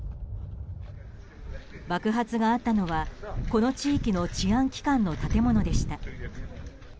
爆発があったのはこの地域の治安機関の建物でした。